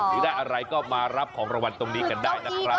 หรือได้อะไรก็มารับของรางวัลตรงนี้กันได้นะครับ